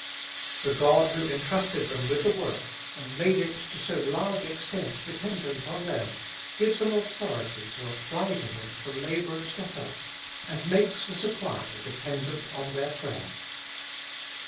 The God who entrusted them with the work, and made it to so large extent dependent on them, gives them authority to apply to Him for laborers to help, and makes the supply dependent on their prayer.